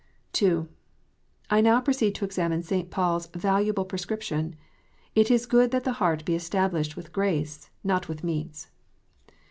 II. I now proceed to examine St. Paul s valualle pre scription: "It is good that the heart be established with grace ; not with meats."